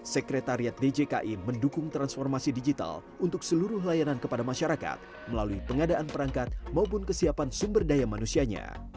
sekretariat djki mendukung transformasi digital untuk seluruh layanan kepada masyarakat melalui pengadaan perangkat maupun kesiapan sumber daya manusianya